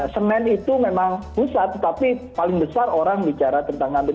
semen itu memang pusat tetapi paling besar orang bicara tentang ngambil